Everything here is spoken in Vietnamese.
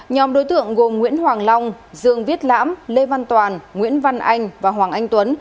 nhóm đối tượng gồm nguyễn hoàng long dương viết lãm lê văn toàn nguyễn văn anh và hoàng anh tuấn